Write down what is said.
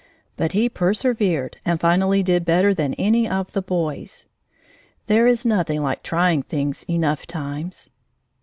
But he persevered and finally did better than any of the boys. There is nothing like trying things enough times.